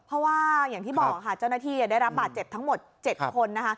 เพราะว่าอย่างที่บอกค่ะเจ้าหน้าที่ได้รับบาดเจ็บทั้งหมด๗คนนะคะ